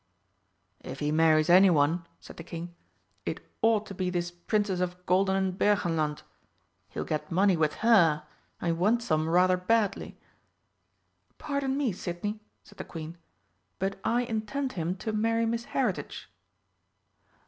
"If he marries any one," said the King, "it ought to be this Princess of Goldenenbergenland he'll get money with her, and we want some rather badly." "Pardon me, Sidney," said the Queen, "but I intend him to marry Miss Heritage."